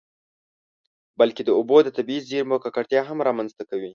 بلکې د اوبو د طبیعي زیرمو ککړتیا هم رامنځته کوي.